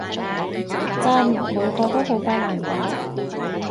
真！每個都好鬼難搞